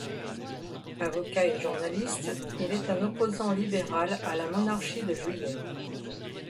Avocat et journaliste, il est un opposant libéral à la Monarchie de Juillet.